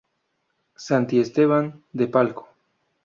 Santiesteban de Palco.